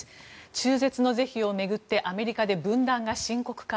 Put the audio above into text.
中絶の是非を巡ってアメリカが分断が深刻化。